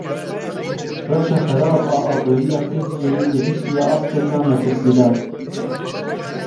Rewşa xerab a aboriya Tirkiyeyê gihîştiye asteke metirsîdar.